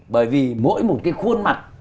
bởi vì mỗi một cái khuôn mặt